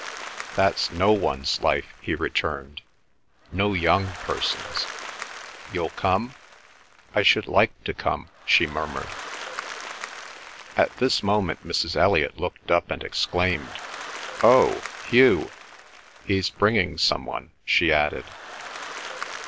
"That's no one's life," he returned, "no young person's. You'll come?" "I should like to come," she murmured. At this moment Mrs. Elliot looked up and exclaimed, "Oh, Hugh! He's bringing some one," she added.